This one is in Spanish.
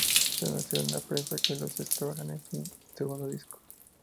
Se anunció en la prensa que los Ex trabajan en un segundo disco.